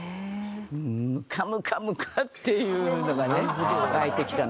ムカムカムカっていうのがね湧いてきたの。